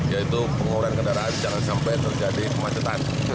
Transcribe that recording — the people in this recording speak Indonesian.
yaitu pengurangan kendaraan jangan sampai terjadi kemacetan